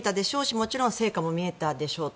もちろん成果も見えたでしょうと。